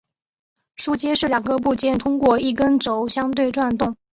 枢接是两个部件通过一根轴相对转动。